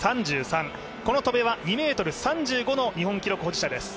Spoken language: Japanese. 戸邉は２ｍ３５の日本記録保持者です。